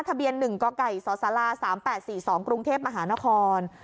ทะเบียน๑กไก่สศ๓๘๔๒กรุงเทพมหานคร